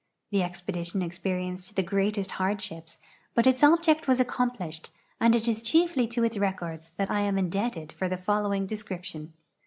The expedition experienced the greatest hardships, but its object was accomplished, and it is chief!}' to its records that I am indebted for the following de scription.